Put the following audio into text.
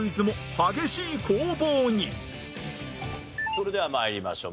それでは参りましょう。